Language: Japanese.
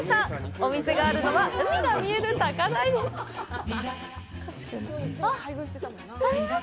お店があるのは海が見える高台です。